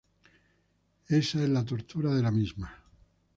Esa es la tortura de la misma.